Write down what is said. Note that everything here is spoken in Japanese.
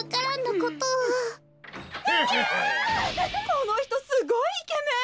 ・このひとすごいイケメン！